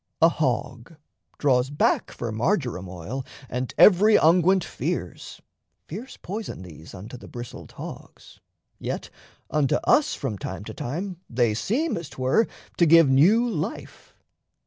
A hog draws back For marjoram oil, and every unguent fears Fierce poison these unto the bristled hogs, Yet unto us from time to time they seem, As 'twere, to give new life.